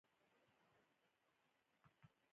عدالت کې بقا ده